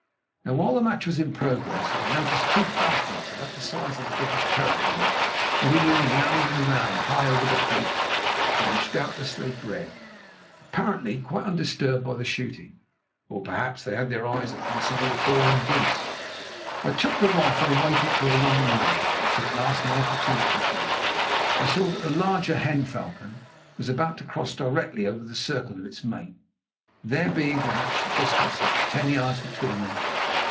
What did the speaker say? Now, while the match was in progress I had noticed two falcons about the size of the British peregrine wheeling round and round high over the kloof, in which doubtless they bred, apparently quite undisturbed by the shooting. Or, perhaps, they had their eyes upon some of the fallen geese. I took the rifle and waited for a long while, till at last my opportunity came. I saw that the larger hen falcon was about to cross directly over the circle of its mate, there being perhaps a distance of ten yards between them.